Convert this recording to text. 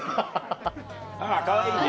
あらかわいいね。